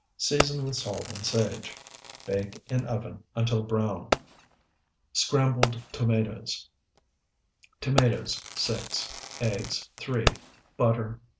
Season with salt and sage. Bake in oven until brown. SCRAMBLED TOMATOES Tomatoes, 6. Eggs, 3. Butter.